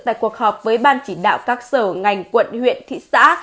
tại cuộc họp với ban chỉ đạo các sở ngành quận huyện thị xã